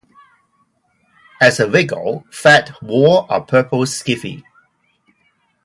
As a Wiggle, Fatt wore a purple skivvy.